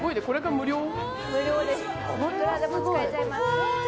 無料です、いくらでも使えちゃいます。